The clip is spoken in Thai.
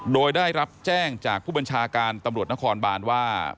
โดยได้รับแจ้งจากผู้บัญชาการตำรวจนครบานว่า